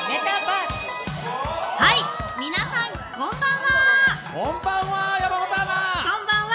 はい、皆さんこんばんは！